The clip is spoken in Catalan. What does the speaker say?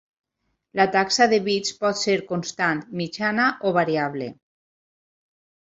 La taxa de bits pot ser constant, mitjana o variable.